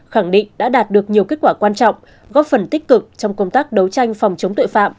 khẳng định đã đạt được nhiều kết quả quan trọng góp phần tích cực trong công tác đấu tranh phòng chống tội phạm